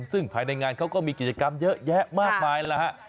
ซึ่งภายในงานเขาก็มีกิจกรรมเยอะแยะมากมายแล้วฮะ